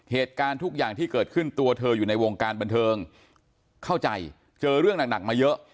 เหตุการณ์ทุกอย่างที่เกิดขึ้นตัวเธออยู่ในวงการบันเทิงเข้าใจเจอเรื่องหนักมาเยอะ